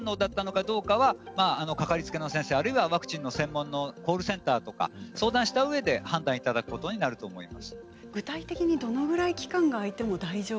２回目が打てる副反応だったのかどうかというのは掛かりつけの先生あるいはワクチンの専門のコールセンターとかに相談したうえで判断いただくことになると思います。